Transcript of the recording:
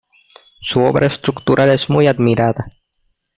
Su obra estructural es muy admirada.